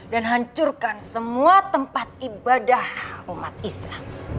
dan hancurkan semua tempat ibadah umat islam